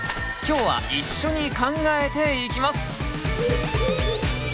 今日は一緒に考えていきます！